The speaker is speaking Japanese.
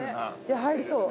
入りそう。